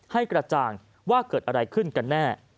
ให้กระจ่างว่าเกิดอะไรขึ้นกันแน่